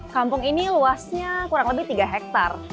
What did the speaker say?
kampung ini luasnya kurang lebih tiga hektare